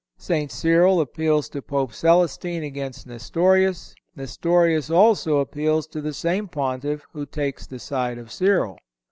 St. Cyril appeals to Pope Celestine against Nestorius; Nestorius, also, appeals to the same Pontiff, who takes the side of Cyril.